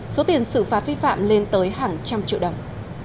số tiền xử phạt vi phạm lên tới hàng trăm triệu đồng